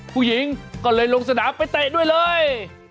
ผู้หญิงก็เลยลงสนามไปเตะด้วยเลย